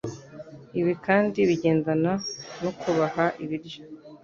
Ibi kandi bigendana no kubaha ibiryo